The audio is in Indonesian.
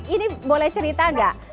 ini boleh cerita gak